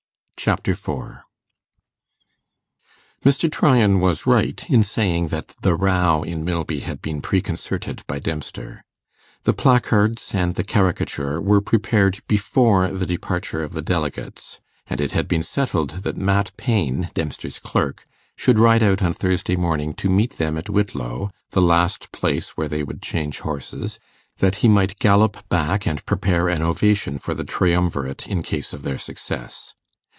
Chapter 4 Mr. Tryan was right in saying that the 'row' in Milby had been preconcerted by Dempster. The placards and the caricature were prepared before the departure of the delegates; and it had been settled that Mat Paine, Dempster's clerk, should ride out on Thursday morning to meet them at Whitlow, the last place where they would change horses, that he might gallop back and prepare an ovation for the triumvirate in case of their success.